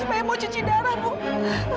supaya mau cuci darah bu